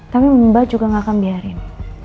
tapi mbak juga gak akan biarin